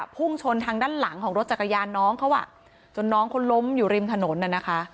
พุ่งชนทางด้านหลังของรถจักรยานน้องเขาอ่ะจนน้องเขาล้มอยู่ริมถนนน่ะนะคะ